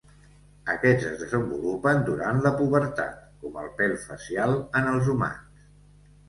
Aquests es desenvolupen durant la pubertat, com el pèl facial en els humans.